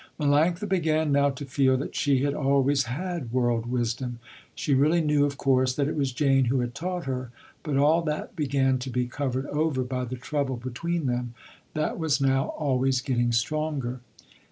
Melanctha began now to feel that she had always had world wisdom. She really knew of course, that it was Jane who had taught her, but all that began to be covered over by the trouble between them, that was now always getting stronger.